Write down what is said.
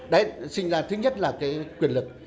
đấy sinh ra thứ nhất là cái quyền lực